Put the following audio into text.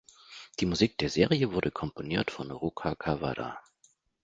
Die Musik der Serie wurde komponiert von Ruka Kawada.